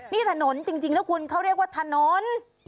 นี่ถนนจริงแล้วคุณเขาเรียกว่าถนน